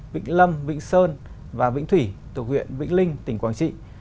vĩnh lâm vĩnh sơn và vĩnh thủy thuộc huyện vĩnh linh tỉnh quảng trị